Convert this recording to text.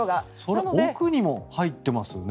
その奥にも入ってますね。